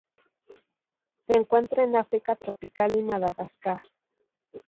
Se encuentra en África tropical y Madagascar.